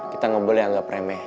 kita nggak boleh anggap remeh